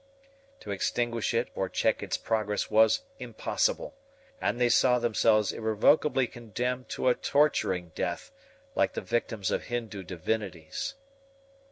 To extinguish it or check its progress was impossible; and they saw themselves irrevocably condemned to a torturing death, like the victims of Hindoo divinities.